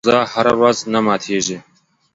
کوزه هره ورځ نه ماتېږي.